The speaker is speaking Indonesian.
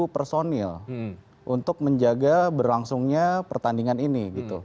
empat personil untuk menjaga berlangsungnya pertandingan ini